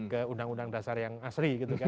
ke undang undang dasar yang asli